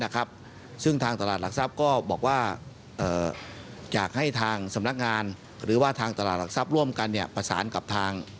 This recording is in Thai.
นะครับซึ่งทางตลาดหลักทรัพย์ก็บอกว่าจากงั้นทางเชิญงานหรือว่าทางตลาดหลักทรัพย์ร่วมกันเนี่ยคาสอันการณ์ทาง